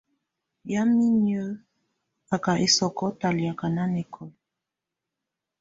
Yamɛ̀á inyǝ́ á ka ɛsɔkɔ talakɛá nanɛkɔla.